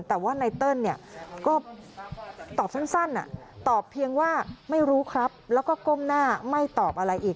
แต่ว่าไนเติ้ลก็ตอบสั้นตอบเพียงว่าไม่รู้ครับแล้วก็ก้มหน้าไม่ตอบอะไรอีก